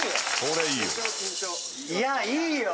いやいいよ！